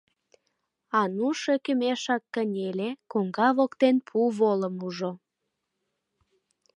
Ануш ӧкымешак кынеле, коҥга воктен пу волым ужо.